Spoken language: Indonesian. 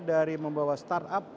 dari membawa start up